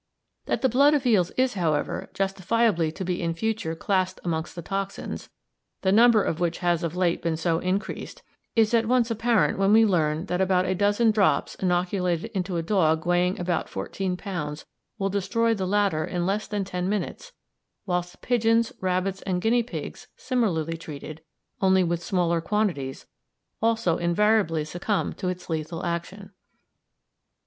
That the blood of eels is, however, justifiably to be in future classed amongst the toxins, the number of which has of late been so increased, is at once apparent when we learn that about a dozen drops inoculated into a dog weighing about fourteen pounds will destroy the latter in less than ten minutes, whilst pigeons, rabbits, and guinea pigs similarly treated, only with smaller quantities, also invariably succumb to its lethal action.